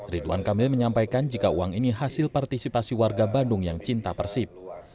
ridwan kamil menyampaikan jika uang ini hasil partisipasi warga bandung yang cinta persib